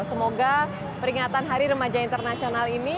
semoga peringatan hari remaja internasional ini